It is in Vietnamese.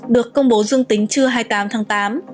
được công bố dương tính trưa hai mươi tám tháng tám